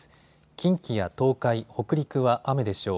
近畿や東海、北陸は雨でしょう。